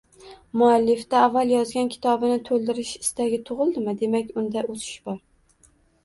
Muallifda avval yozgan kitobini to‘ldirish istagi tug‘ildimi, demak, unda o‘sish bor.